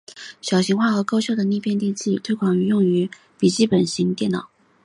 小型化和高效率的逆变器电路推广用于笔记型电脑。